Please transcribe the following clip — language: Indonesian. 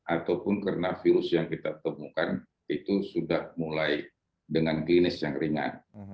ataupun karena virus yang kita temukan itu sudah mulai dengan klinis yang ringan